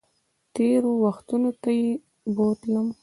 تېرو وختونو ته یې بوتلم